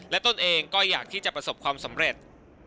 ตนเองก็อยากที่จะประสบความสำเร็จ